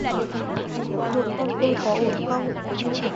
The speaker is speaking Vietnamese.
vợ con tôi có ổn không